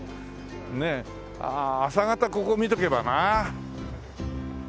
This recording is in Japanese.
ねえ朝方ここ見とけばな。